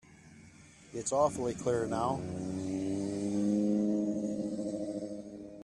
It's awfully clear now.